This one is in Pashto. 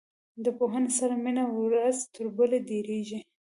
د پوهنې سره مینه ورځ تر بلې ډیریږي.